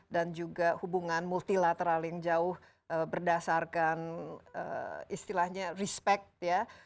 dan juga hubungan multilateral yang jauh berdasarkan istilahnya respect ya